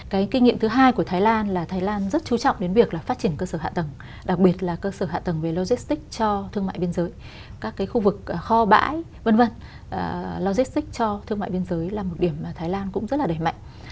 cái kinh nghiệm thứ hai của thái lan là thái lan rất chú trọng đến việc là phát triển cơ sở hạ tầng đặc biệt là cơ sở hạ tầng về logistics cho thương mại biên giới các cái khu vực kho bãi v v cho thương mại biên giới là một điểm mà thái lan cũng rất là đẩy mạnh